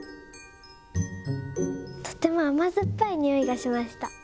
とてもあまずっぱいにおいがしました。